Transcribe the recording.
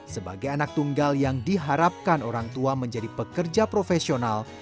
sebagai anak tunggal yang diharapkan orang tua menjadi pekerja profesional